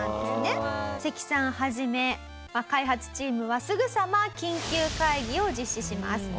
セキさん始め開発チームはすぐさま緊急会議を実施します。